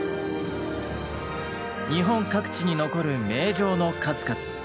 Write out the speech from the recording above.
日本各地に残る名城の数々。